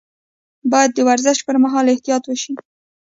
باید د ورزش پر مهال احتیاط وشي.